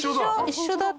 一緒だ。